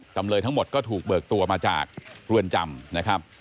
จำเลยทั้งหมดก็ถูกเบิกตัวมาจากเรือนจำนะครับ